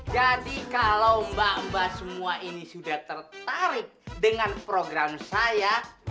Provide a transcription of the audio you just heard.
jadi kalau mbak mbak semua ini sudah tertarik dengan program saya